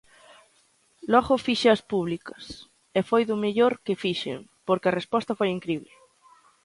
Logo fíxeas públicas e foi do mellor que fixen, porque a resposta foi incrible.